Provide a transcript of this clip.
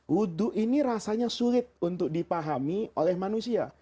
wudhu ini rasanya sulit untuk dipahami oleh manusia